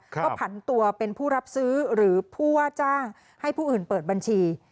ก็ผันตัวเป็นผู้รับซื้อหรือผู้ว่าจ้างให้ผู้อื่นเปิดบัญชี